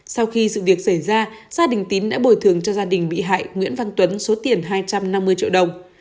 sau khi sự việc xảy ra gia đình tín đã bồi thường cho gia đình bị hại nguyễn văn tuấn số tiền hai trăm năm mươi triệu đồng